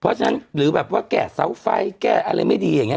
เพราะฉะนั้นหรือแบบว่าแก้เสาไฟแก้อะไรไม่ดีอย่างนี้